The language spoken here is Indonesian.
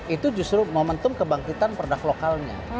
itu justru momentum kebangkitan produk lokalnya